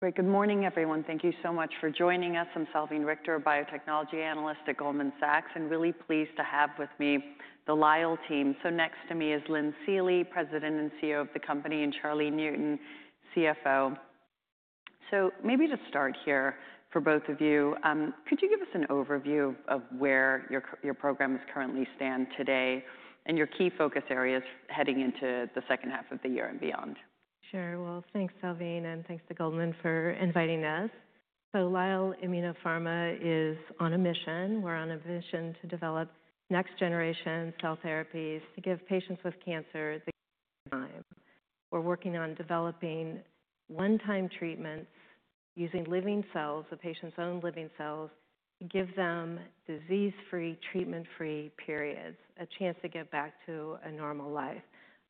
Great. Good morning, everyone. Thank you so much for joining us. I'm Selvin Richter, a biotechnology analyst at Goldman Sachs, and really pleased to have with me the Lyell Team. Next to me is Lynn Seely, President and CEO of the company, and Charlie Newton, CFO. Maybe to start here for both of you, could you give us an overview of where your program is currently standing today and your key focus areas heading into the second half of the year and beyond? Sure. Thanks, Selvin, and thanks to Goldman for inviting us. Lyell Immunopharma is on a mission. We're on a mission to develop next-generation cell therapies to give patients with cancer the time. We're working on developing one-time treatments using living cells, the patient's own living cells, to give them disease-free, treatment-free periods, a chance to get back to a normal life.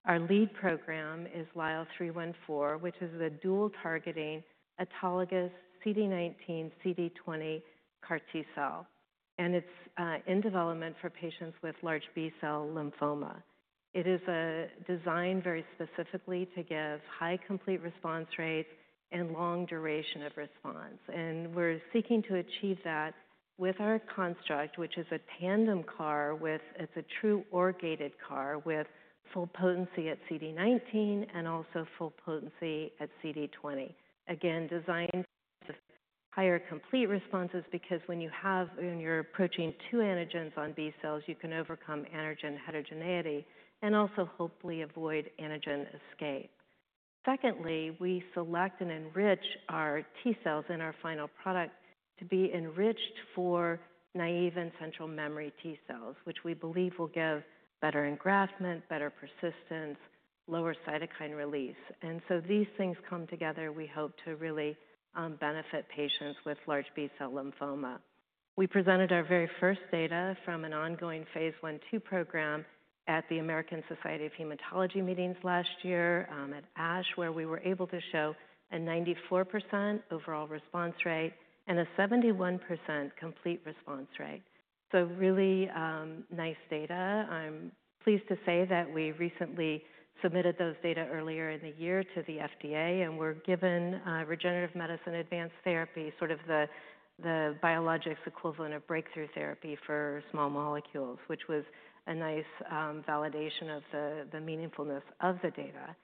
Our lead program is LYL314, which is a dual-targeting autologous CD19/CD20 CAR T-cell, and it's in development for patients with large B-cell lymphoma. It is designed very specifically to give high complete response rates and long duration of response. We're seeking to achieve that with our construct, which is a tandem CAR with, it's a true OR-gated CAR with full potency at CD19 and also full potency at CD20, again, designed to have higher complete responses because when you have, when you're approaching two antigens on B-cells, you can overcome antigen heterogeneity and also hopefully avoid antigen escape. Secondly, we select and enrich our T-cells in our final product to be enriched for naive and central memory T-cells, which we believe will give better engraftment, better persistence, lower cytokine release. These things come together, we hope, to really benefit patients with large B-cell lymphoma. We presented our very first data from an ongoing phase I-II program at the American Society of Hematology meetings last year at ASH, where we were able to show a 94% overall response rate and a 71% complete response rate. Really nice data. I'm pleased to say that we recently submitted those data earlier in the year to the FDA, and we were given regenerative medicine advanced therapy, sort of the biologics equivalent of breakthrough therapy for small molecules, which was a nice validation of the meaningfulness of the data.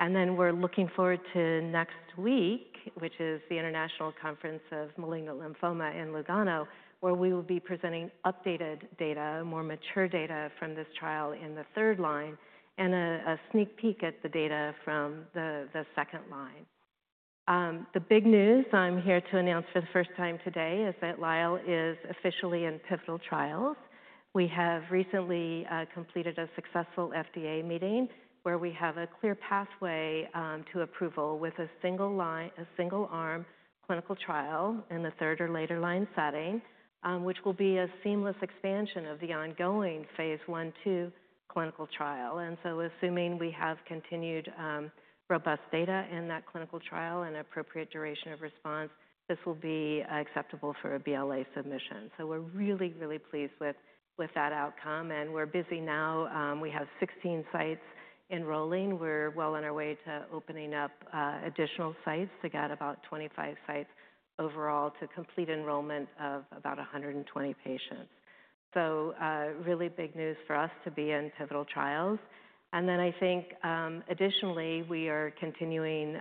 We are looking forward to next week, which is the International Conference of Malignant Lymphoma in Lugano, where we will be presenting updated data, more mature data from this trial in the third line, and a sneak peek at the data from the second line. The big news I'm here to announce for the first time today is that Lyell is officially in pivotal trials. We have recently completed a successful FDA meeting where we have a clear pathway to approval with a single-armed clinical trial in the third or later line setting, which will be a seamless expansion of the ongoing phase I-II clinical trial. Assuming we have continued robust data in that clinical trial and appropriate duration of response, this will be acceptable for a BLA submission. We are really, really pleased with that outcome. We are busy now. We have 16 sites enrolling. We are well on our way to opening up additional sites to get about 25 sites overall to complete enrollment of about 120 patients. Really big news for us to be in pivotal trials. I think additionally we are continuing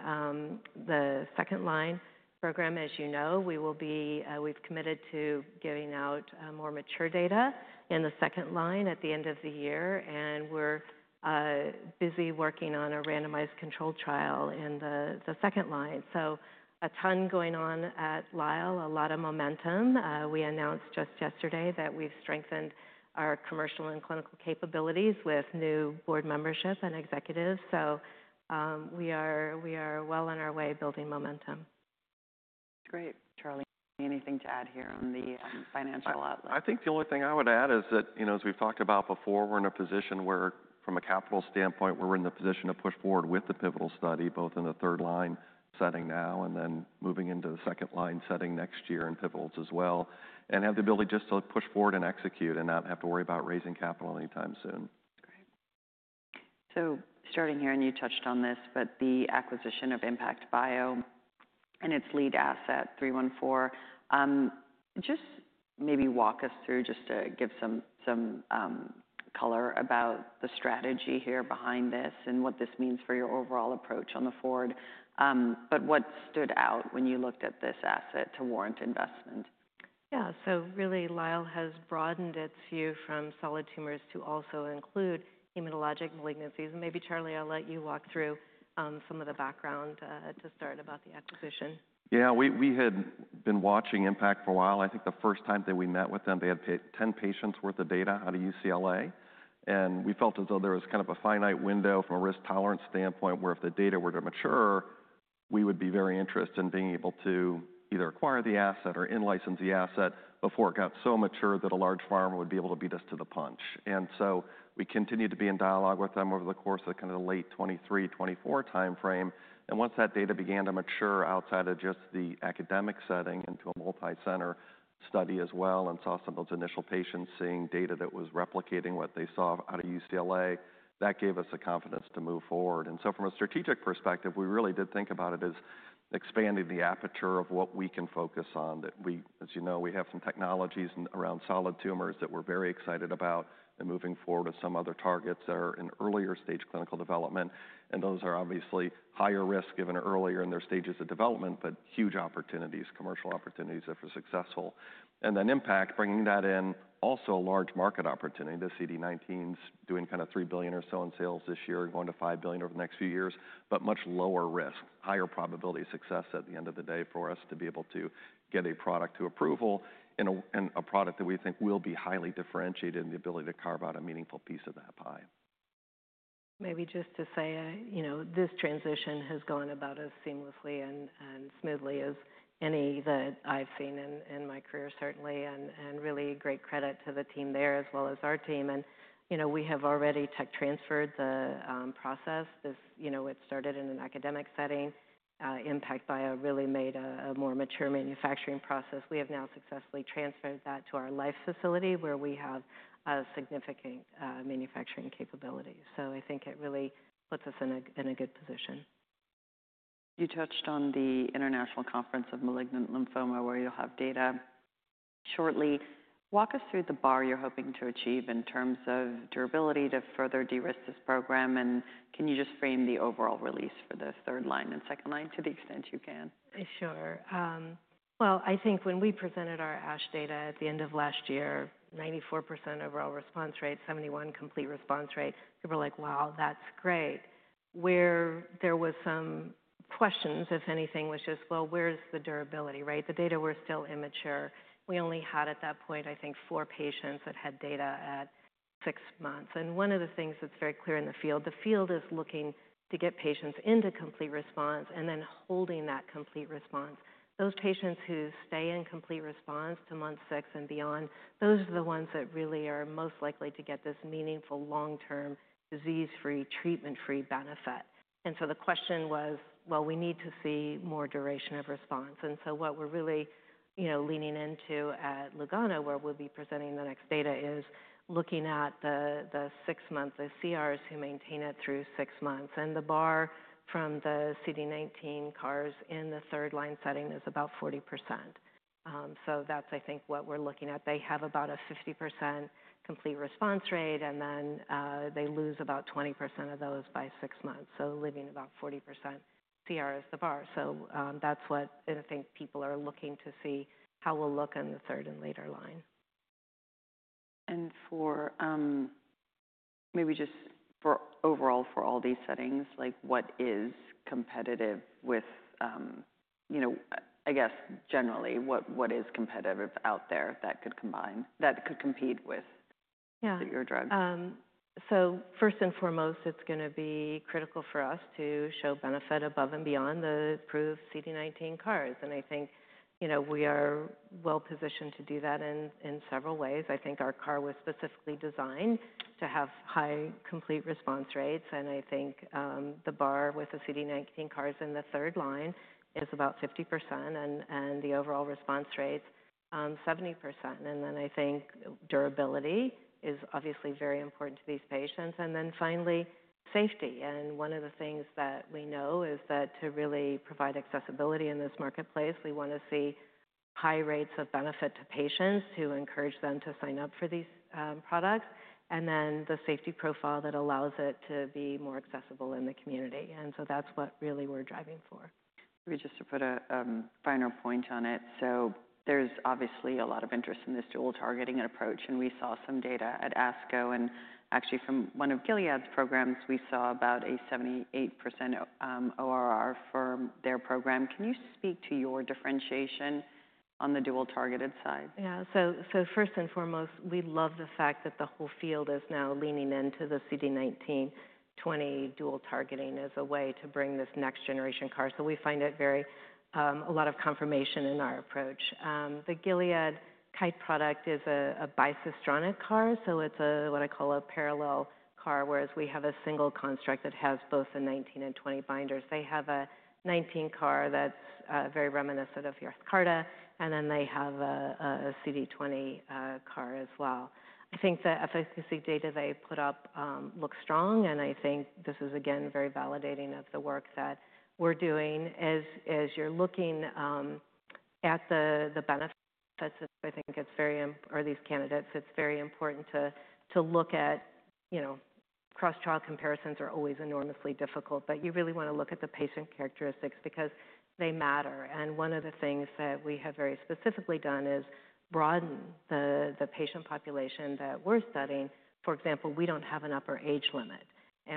the second line program. As you know, we will be, we've committed to giving out more mature data in the second line at the end of the year. We are busy working on a randomized control trial in the second line. A ton going on at Lyell, a lot of momentum. We announced just yesterday that we've strengthened our commercial and clinical capabilities with new board membership and executives. We are well on our way building momentum. Great. Charlie, anything to add here on the financial outlook? I think the only thing I would add is that, you know, as we've talked about before, we're in a position where, from a capital standpoint, we're in the position to push forward with the pivotal study, both in the third line setting now and then moving into the second line setting next year in pivotals as well, and have the ability just to push forward and execute and not have to worry about raising capital anytime soon. Great. Starting here, and you touched on this, but the acquisition of ImpactBio and its lead asset, 314, just maybe walk us through just to give some color about the strategy here behind this and what this means for your overall approach on the forward. What stood out when you looked at this asset to warrant investment? Yeah. So really, Lyell has broadened its view from solid tumors to also include hematologic malignancies. Maybe, Charlie, I'll let you walk through some of the background to start about the acquisition. Yeah. We had been watching ImpactBio for a while. I think the first time that we met with them, they had 10 patients' worth of data out of UCLA. We felt as though there was kind of a finite window from a risk tolerance standpoint where if the data were to mature, we would be very interested in being able to either acquire the asset or in-license the asset before it got so mature that a large pharma would be able to beat us to the punch. We continued to be in dialogue with them over the course of kind of the late 2023-2024 timeframe. Once that data began to mature outside of just the academic setting into a multi-center study as well and saw some of those initial patients seeing data that was replicating what they saw out of UCLA, that gave us the confidence to move forward. From a strategic perspective, we really did think about it as expanding the aperture of what we can focus on. As you know, we have some technologies around solid tumors that we're very excited about and moving forward with some other targets that are in earlier stage clinical development. Those are obviously higher risk given earlier in their stages of development, but huge opportunities, commercial opportunities if we're successful. Impact, bringing that in, also a large market opportunity. The CD19's doing kind of $3 billion or so in sales this year and going to $5 billion over the next few years, but much lower risk, higher probability of success at the end of the day for us to be able to get a product to approval and a product that we think will be highly differentiated in the ability to carve out a meaningful piece of that pie. Maybe just to say, you know, this transition has gone about as seamlessly and smoothly as any that I've seen in my career, certainly, and really great credit to the team there as well as our team. You know, we have already tech transferred the process. You know, it started in an academic setting. ImpactBio really made a more mature manufacturing process. We have now successfully transferred that to our life facility where we have significant manufacturing capabilities. I think it really puts us in a good position. You touched on the International Conference of Malignant Lymphoma where you'll have data shortly. Walk us through the bar you're hoping to achieve in terms of durability to further de-risk this program. Can you just frame the overall release for the third line and second line to the extent you can? Sure. I think when we presented our ASH data at the end of last year, 94% overall response rate, 71% complete response rate, people were like, "Wow, that's great." Where there were some questions, if anything, was just, "Well, where's the durability?" Right? The data were still immature. We only had at that point, I think, four patients that had data at six months. One of the things that's very clear in the field, the field is looking to get patients into complete response and then holding that complete response. Those patients who stay in complete response to month six and beyond, those are the ones that really are most likely to get this meaningful long-term disease-free, treatment-free benefit. The question was, "Well, we need to see more duration of response." What we're really, you know, leaning into at Lugano, where we'll be presenting the next data, is looking at the six-month, the CRs who maintain it through six months. The bar from the CD19 CARs in the third line setting is about 40%. I think that's what we're looking at. They have about a 50% complete response rate, and then they lose about 20% of those by six months, leaving about 40% CR as the bar. I think people are looking to see how we'll look in the third and later line. For maybe just overall for all these settings, like what is competitive with, you know, I guess generally what is competitive out there that could combine, that could compete with your drug? Yeah. First and foremost, it's going to be critical for us to show benefit above and beyond the approved CD19 CARs. I think, you know, we are well-positioned to do that in several ways. I think our CAR was specifically designed to have high complete response rates. I think the bar with the CD19 CARs in the third line is about 50% and the overall response rate 70%. I think durability is obviously very important to these patients. Finally, safety. One of the things that we know is that to really provide accessibility in this marketplace, we want to see high rates of benefit to patients to encourage them to sign up for these products and then the safety profile that allows it to be more accessible in the community. That's what really we're driving for. Maybe just to put a finer point on it. There is obviously a lot of interest in this dual-targeting approach. We saw some data at ASCO, and actually from one of Gilead's programs, we saw about a 78% ORR for their program. Can you speak to your differentiation on the dual-targeted side? Yeah. First and foremost, we love the fact that the whole field is now leaning into the CD19-20 dual-targeting as a way to bring this next-generation CAR. We find it very, a lot of confirmation in our approach. The Gilead Kite product is a Bisystronic CAR. It is what I call a parallel CAR, whereas we have a single construct that has both the 19 and 20 binders. They have a 19 CAR that is very reminiscent of YESCARTA, and then they have a CD20 CAR as well. I think the efficacy data they put up looks strong. I think this is, again, very validating of the work that we are doing. As you're looking at the benefits, I think it's very, or these candidates, it's very important to look at, you know, cross-trial comparisons are always enormously difficult, but you really want to look at the patient characteristics because they matter. One of the things that we have very specifically done is broaden the patient population that we're studying. For example, we don't have an upper age limit.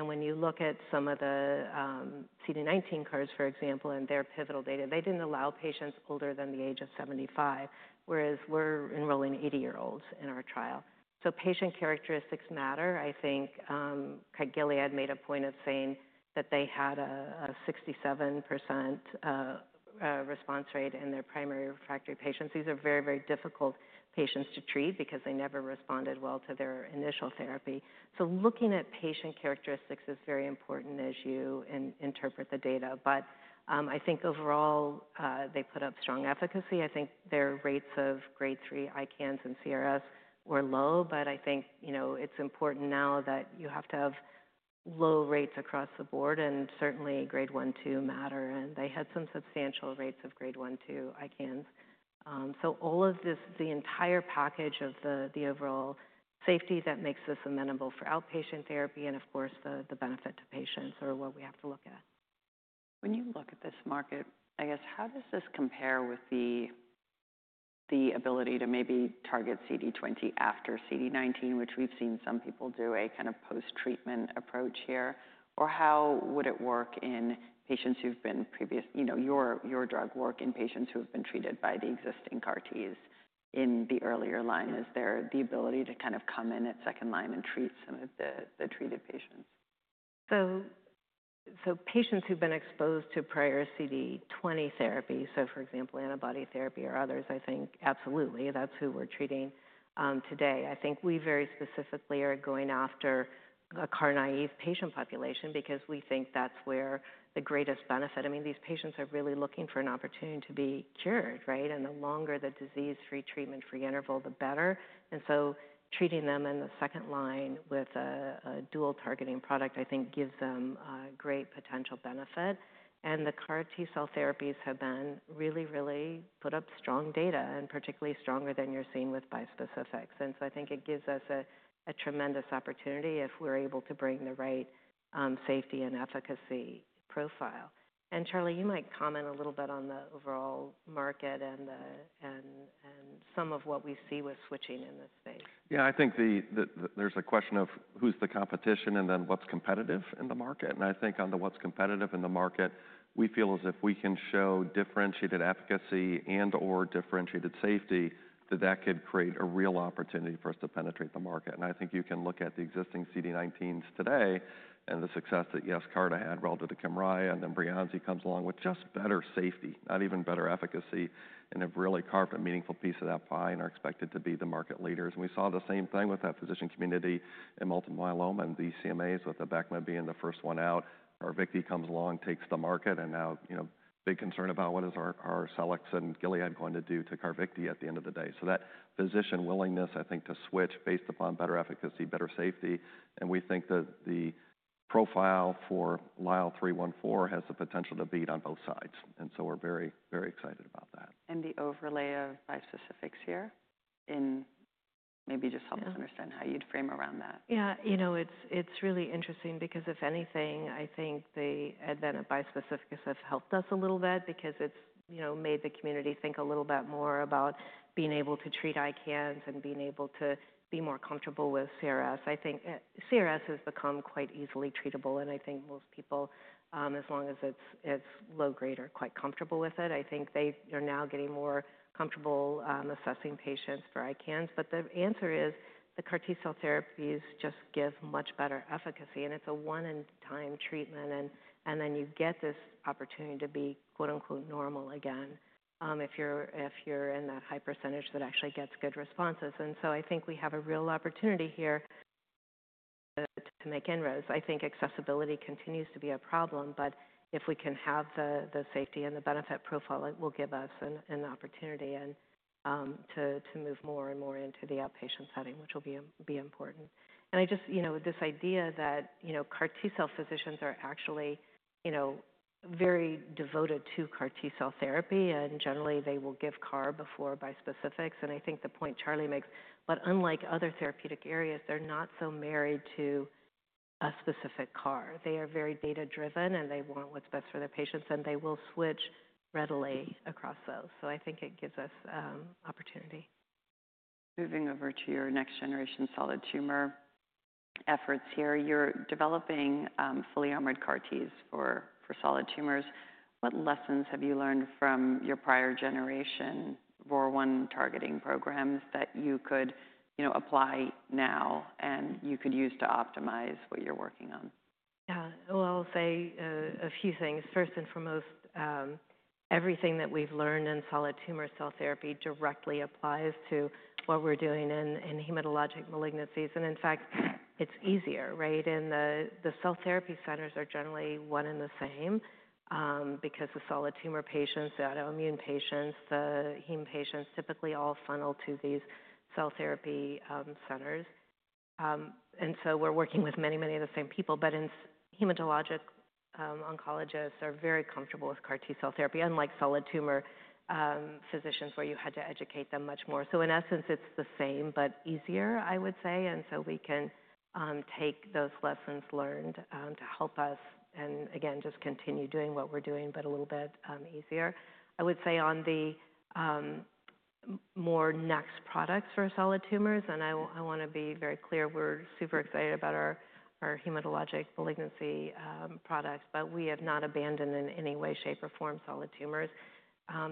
When you look at some of the CD19 CARs, for example, in their pivotal data, they didn't allow patients older than the age of 75, whereas we're enrolling 80-year-olds in our trial. Patient characteristics matter. I think Gilead made a point of saying that they had a 67% response rate in their primary refractory patients. These are very, very difficult patients to treat because they never responded well to their initial therapy. Looking at patient characteristics is very important as you interpret the data. I think overall they put up strong efficacy. I think their rates of Grade 3 ICANS and CRS were low, but I think, you know, it's important now that you have to have low rates across the board and certainly Grade 1, 2 matter. They had some substantial rates of Grade 1, 2 ICANS. All of this, the entire package of the overall safety, makes this amenable for outpatient therapy and, of course, the benefit to patients are what we have to look at. When you look at this market, I guess how does this compare with the ability to maybe target CD20 after CD19, which we've seen some people do a kind of post-treatment approach here? Or how would it work in patients who've been previous, you know, your drug work in patients who have been treated by the existing CAR-Ts in the earlier line? Is there the ability to kind of come in at second line and treat some of the treated patients? Patients who've been exposed to prior CD20 therapy, for example, antibody therapy or others, I think absolutely that's who we're treating today. I think we very specifically are going after a CAR-naive patient population because we think that's where the greatest benefit, I mean, these patients are really looking for an opportunity to be cured, right? The longer the disease-free, treatment-free interval, the better. Treating them in the second line with a dual-targeting product, I think, gives them great potential benefit. The CAR T-cell therapies have really, really put up strong data and particularly stronger than you're seeing with bispecifics. I think it gives us a tremendous opportunity if we're able to bring the right safety and efficacy profile. Charlie, you might comment a little bit on the overall market and some of what we see with switching in this space. Yeah. I think there's a question of who's the competition and then what's competitive in the market. I think on the what's competitive in the market, we feel as if we can show differentiated efficacy and/or differentiated safety that that could create a real opportunity for us to penetrate the market. I think you can look at the existing CD19s today and the success that YESCARTA had, well did the KYMRIAH, and then Breyanzi comes along with just better safety, not even better efficacy, and have really carved a meaningful piece of that pie and are expected to be the market leaders. We saw the same thing with that physician community in multiple myeloma and the CMAs with the CARVYKTI being the first one out. CARVYKTI comes along, takes the market, and now, you know, big concern about what is our Cellex and Gilead going to do to CARVYKTI at the end of the day. That physician willingness, I think, to switch based upon better efficacy, better safety. We think that the profile for Lyell 314 has the potential to beat on both sides. We are very, very excited about that. The overlay of bispecifics here in maybe just help us understand how you'd frame around that. Yeah. You know, it's really interesting because if anything, I think the advent of bispecifics has helped us a little bit because it's, you know, made the community think a little bit more about being able to treat ICANS and being able to be more comfortable with CRS. I think CRS has become quite easily treatable, and I think most people, as long as it's low grade, are quite comfortable with it. I think they are now getting more comfortable assessing patients for ICANS. The answer is the CAR-T cell therapies just give much better efficacy, and it's a one-in-time treatment, and then you get this opportunity to be "normal" again if you're in that high percentage that actually gets good responses. I think we have a real opportunity here to make inroads. I think accessibility continues to be a problem, but if we can have the safety and the benefit profile, it will give us an opportunity to move more and more into the outpatient setting, which will be important. I just, you know, this idea that, you know, CAR-T cell physicians are actually, you know, very devoted to CAR-T cell therapy, and generally they will give CAR before bispecifics. I think the point Charlie makes, but unlike other therapeutic areas, they're not so married to a specific CAR. They are very data-driven, and they want what's best for their patients, and they will switch readily across those. I think it gives us opportunity. Moving over to your next-generation solid tumor efforts here. You're developing fully armored CAR-Ts for solid tumors. What lessons have you learned from your prior generation ROR1 targeting programs that you could, you know, apply now and you could use to optimize what you're working on? Yeah. I'll say a few things. First and foremost, everything that we've learned in solid tumor cell therapy directly applies to what we're doing in hematologic malignancies. In fact, it's easier, right? The cell therapy centers are generally one and the same because the solid tumor patients, the autoimmune patients, the heme patients typically all funnel to these cell therapy centers. We're working with many, many of the same people, but hematologic oncologists are very comfortable with CAR T-cell therapy, unlike solid tumor physicians where you had to educate them much more. In essence, it's the same, but easier, I would say. We can take those lessons learned to help us, and again, just continue doing what we're doing, but a little bit easier. I would say on the more next products for solid tumors, and I want to be very clear, we're super excited about our hematologic malignancy products, but we have not abandoned in any way, shape, or form solid tumors.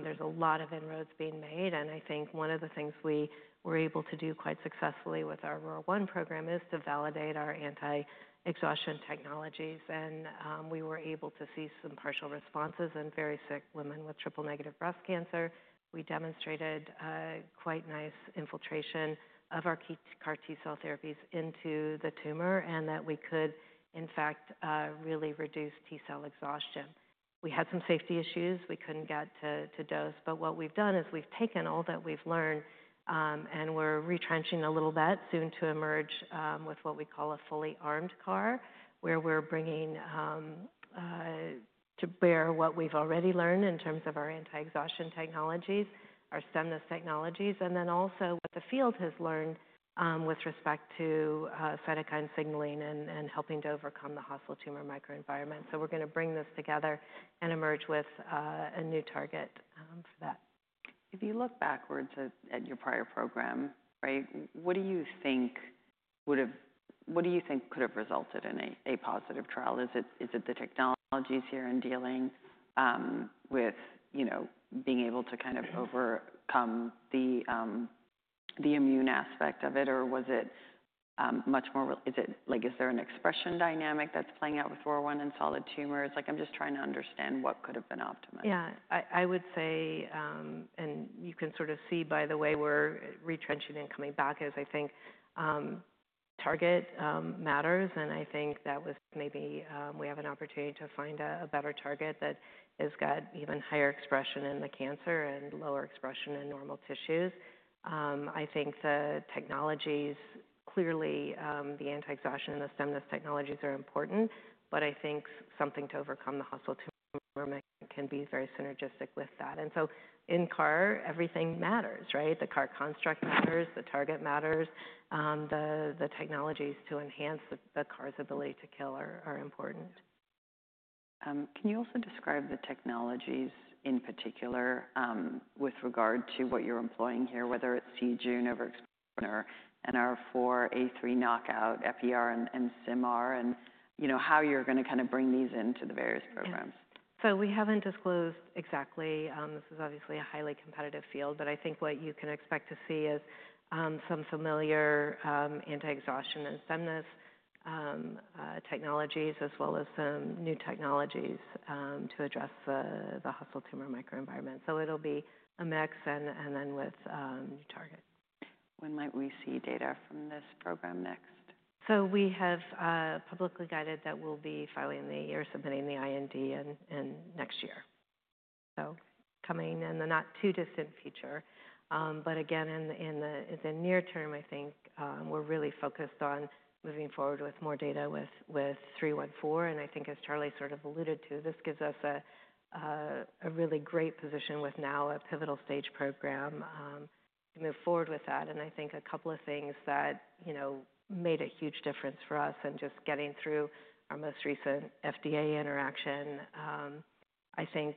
There's a lot of inroads being made. I think one of the things we were able to do quite successfully with our ROR1 Program is to validate our anti-exhaustion technologies. We were able to see some partial responses in very sick women with triple-negative breast cancer. We demonstrated quite nice infiltration of our CAR T-cell therapies into the tumor and that we could, in fact, really reduce T-cell exhaustion. We had some safety issues. We couldn't get to dose. What we've done is we've taken all that we've learned and we're retrenching a little bit, soon to emerge with what we call a fully armed CAR, where we're bringing to bear what we've already learned in terms of our anti-exhaustion technologies, our stemness technologies, and then also what the field has learned with respect to cytokine signaling and helping to overcome the hostile tumor microenvironment. We're going to bring this together and emerge with a new target for that. If you look backwards at your prior program, right, what do you think would have, what do you think could have resulted in a positive trial? Is it the technologies here in dealing with, you know, being able to kind of overcome the immune aspect of it, or was it much more, is it like, is there an expression dynamic that's playing out with ROR1 and solid tumors? Like, I'm just trying to understand what could have been optimized. Yeah. I would say, and you can sort of see by the way we're retrenching and coming back, is I think target matters. I think that was maybe we have an opportunity to find a better target that has got even higher expression in the cancer and lower expression in normal tissues. I think the technologies, clearly the anti-exhaustion and the stemness technologies, are important, but I think something to overcome the hostile tumor can be very synergistic with that. In CAR, everything matters, right? The CAR construct matters, the target matters. The technologies to enhance the CAR's ability to kill are important. Can you also describe the technologies in particular with regard to what you're employing here, whether it's c-Jun over XRNR and R4A3 knockout, FER and SIMR, and, you know, how you're going to kind of bring these into the various programs? We have not disclosed exactly. This is obviously a highly competitive field, but I think what you can expect to see is some familiar anti-exhaustion and stemness technologies as well as some new technologies to address the hostile tumor microenvironment. It will be a mix and then with target. When might we see data from this program next? We have publicly guided that we'll be filing the, or submitting the IND next year. Coming in the not too distant future. Again, in the near term, I think we're really focused on moving forward with more data with 314. I think as Charlie sort of alluded to, this gives us a really great position with now a pivotal stage program to move forward with that. I think a couple of things that made a huge difference for us in just getting through our most recent FDA interaction. I think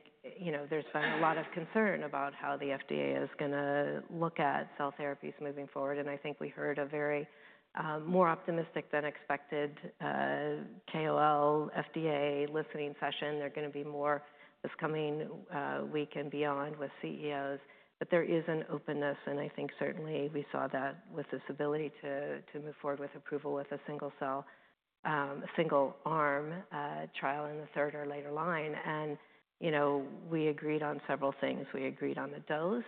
there's been a lot of concern about how the FDA is going to look at cell therapies moving forward. I think we heard a very more optimistic than expected KOL FDA listening session. There are going to be more this coming week and beyond with CEOs. There is an openness, and I think certainly we saw that with this ability to move forward with approval with a single arm trial in the third or later line. And, you know, we agreed on several things. We agreed on the dose.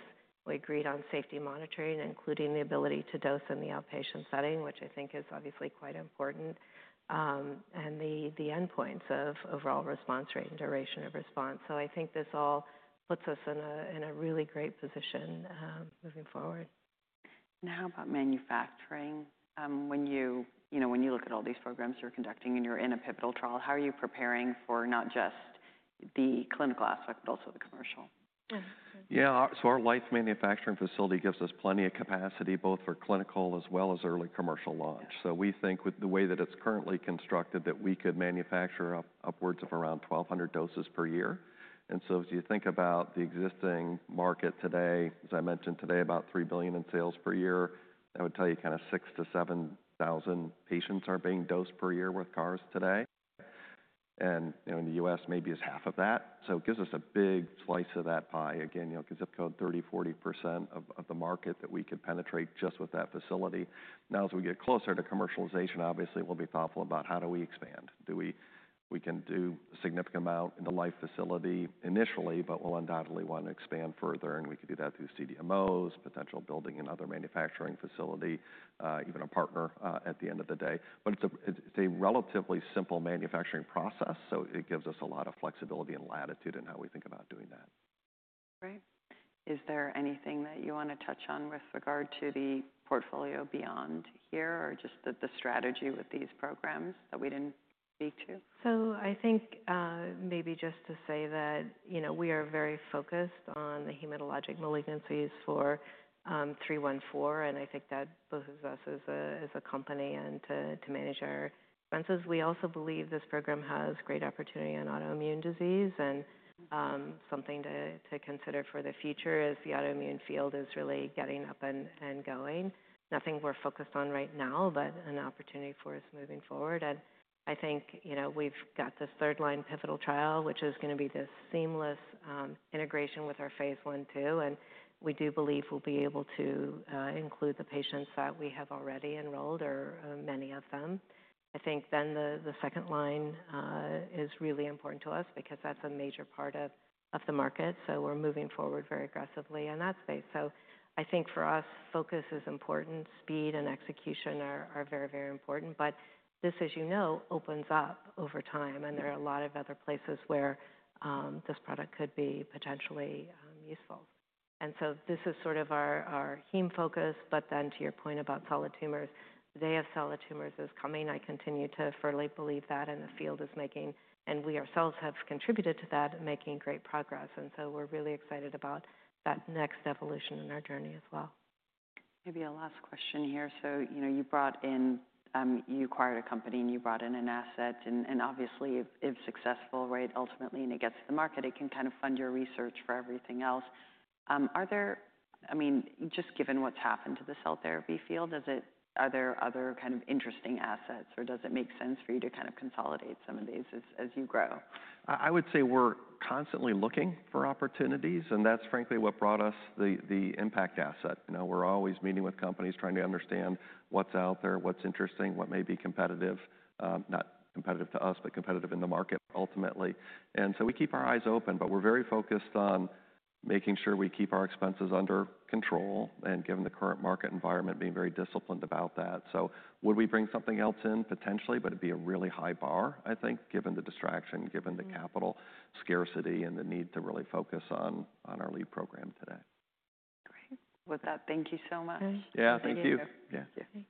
We agreed on safety monitoring, including the ability to dose in the outpatient setting, which I think is obviously quite important, and the endpoints of overall response rate and duration of response. I think this all puts us in a really great position moving forward. Now how about manufacturing? When you, you know, when you look at all these programs you're conducting and you're in a pivotal trial, how are you preparing for not just the clinical aspect, but also the commercial? Yeah. Our live manufacturing facility gives us plenty of capacity both for clinical as well as early commercial launch. We think with the way that it is currently constructed that we could manufacture upwards of around 1,200 doses per year. If you think about the existing market today, as I mentioned, about $3 billion in sales per year, I would tell you kind of 6,000-7,000 patients are being dosed per year with CARs today. You know, in the U.S. maybe is half of that. It gives us a big slice of that pie. Again, you know, ZIP code 30-40% of the market that we could penetrate just with that facility. Now as we get closer to commercialization, obviously we will be thoughtful about how do we expand. We can do a significant amount in the life facility initially, but we'll undoubtedly want to expand further, and we could do that through CDMOs, potential building another manufacturing facility, even a partner at the end of the day. It is a relatively simple manufacturing process, so it gives us a lot of flexibility and latitude in how we think about doing that. Right. Is there anything that you want to touch on with regard to the portfolio beyond here or just the strategy with these programs that we didn't speak to? I think maybe just to say that, you know, we are very focused on the hematologic malignancies for 314, and I think that both of us as a company and to manage our expenses. We also believe this program has great opportunity in autoimmune disease, and something to consider for the future as the autoimmune field is really getting up and going. Nothing we're focused on right now, but an opportunity for us moving forward. I think, you know, we've got this third line pivotal trial, which is going to be this seamless integration with our phase I-II. We do believe we'll be able to include the patients that we have already enrolled or many of them. I think then the second line is really important to us because that's a major part of the market. We are moving forward very aggressively in that space. I think for us, focus is important. Speed and execution are very, very important. This, as you know, opens up over time, and there are a lot of other places where this product could be potentially useful. This is sort of our heme focus, but then to your point about solid tumors, the day of solid tumors is coming. I continue to firmly believe that, and the field is making, and we ourselves have contributed to that, making great progress. We are really excited about that next evolution in our journey as well. Maybe a last question here. You know, you brought in, you acquired a company and you brought in an asset, and obviously if successful, right, ultimately and it gets to the market, it can kind of fund your research for everything else. Are there, I mean, just given what's happened to the cell therapy field, are there other kind of interesting assets, or does it make sense for you to kind of consolidate some of these as you grow? I would say we're constantly looking for opportunities, and that's frankly what brought us the ImpactBio asset. You know, we're always meeting with companies trying to understand what's out there, what's interesting, what may be competitive, not competitive to us, but competitive in the market ultimately. We keep our eyes open, but we're very focused on making sure we keep our expenses under control and given the current market environment being very disciplined about that. Would we bring something else in potentially, but it'd be a really high bar, I think, given the distraction, given the capital scarcity and the need to really focus on our lead program today. Great. With that, thank you so much. Yeah, thank you. Thank you.